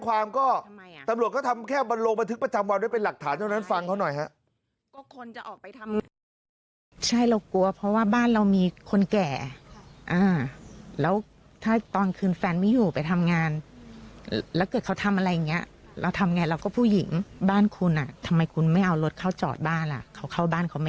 ก็ตำรวจก็ทำแค่บรรโลประทึกประจำวันด้วยเป็นหลักฐานเท่านั้นฟังเขาหน่อยฮะ